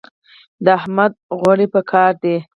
د احمد غوړي په کار دي.